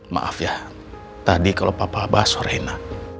maaf ya tadi kalau papa bahas horena